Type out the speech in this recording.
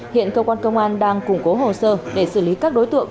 hiện cơ quan công an đang củng cố hồ sơ để xử lý các đối tượng